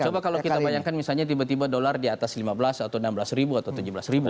coba kalau kita bayangkan misalnya tiba tiba dolar di atas lima belas atau enam belas ribu atau tujuh belas ribu